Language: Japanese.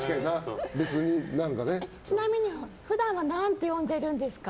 ちなみに、普段は何て呼んでるんですか？